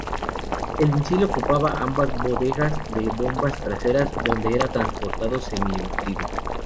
El misil ocupaba ambas bodegas de bombas traseras, donde era transportado semi embutido.